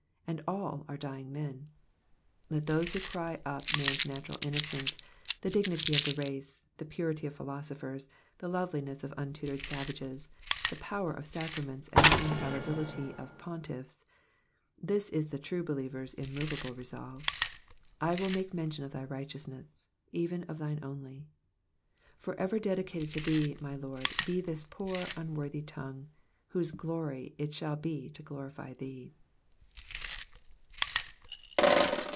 and all are dying men. Let those who will cry up man's natural innocence, the dignity of the race, the purity of philosophers, the loveliness of untutored savages, the power of sacraments, and the infallibility of pontiffs ; this is the true believer's immovable resolve :*' I will make mention of thy lighteousness, even of thine only." For ever dedicated to thee, my Lord, he this poor, unworthy tongue, whose glory it shall be to glorify thee.